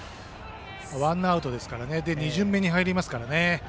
ワンアウトで２巡目に入りますからね。